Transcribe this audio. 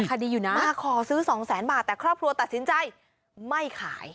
คดีอยู่นะมาขอซื้อสองแสนบาทแต่ครอบครัวตัดสินใจไม่ขาย